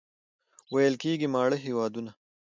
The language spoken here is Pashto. ویل کېږي ماړه هېوادونه.